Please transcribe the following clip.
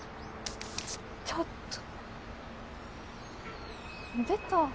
ちょっと。